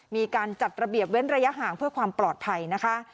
มีการจัดระเบียบเว้นระยะห่างเพื่อความปลอดภัยนะคะ